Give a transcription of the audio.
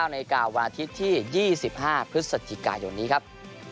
นาฬิกาวันอาทิตย์ที่๒๕พฤศจิกายนนี้ครับ